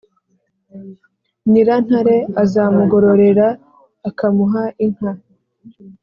nyirantare azamugororera akamuha inka.